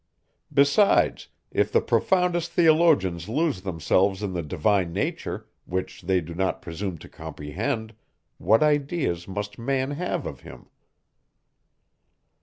Besides, if the profoundest theologians lose themselves in the divine nature, which they do not presume to comprehend, what ideas must man have of him?